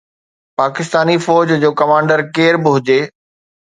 پاڪستاني فوج جو ڪمانڊر ڪير به هجي.